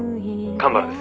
蒲原です」